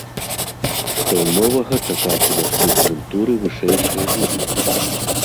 Што новага чакаць у наступным туры вышэйшай лігі?